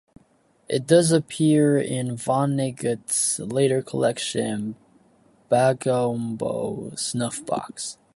It does appear in Vonnegut's later collection "Bagombo Snuff Box".